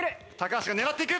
橋が狙っていく！